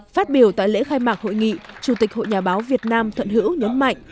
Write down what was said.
phát biểu tại lễ khai mạc hội nghị chủ tịch hội nhà báo việt nam thuận hữu nhấn mạnh